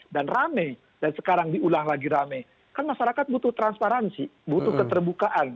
dan rame dan sekarang diulang lagi rame kan masyarakat butuh transparansi butuh keterbukaan